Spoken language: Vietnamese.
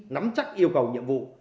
nắm chắc yêu cầu nhiệm vụ